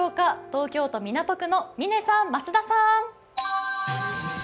東京都港区の嶺さん、増田さん。